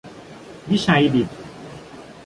วิชัยดิษฐ